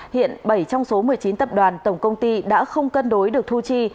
hiện bảy trong số một mươi chín tập đoàn tổng công ty đã không cân đối được thu chi